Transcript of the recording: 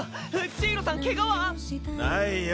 ジイロさんケガは⁉ないよ！